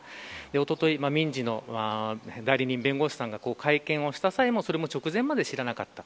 おととい、民事の代理人弁護士さんが会見した際もそれも直前まで知らなかった。